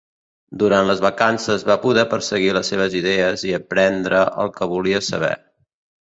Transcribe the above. Durant les vacances va poder perseguir les seves idees i aprendre el que volia saber.